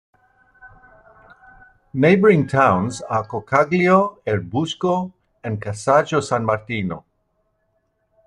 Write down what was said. Neighbouring towns are Coccaglio, Erbusco and Cazzago San Martino.